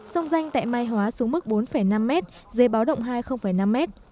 sông danh tại mai hóa xuống mức bốn năm m dưới báo động hai năm m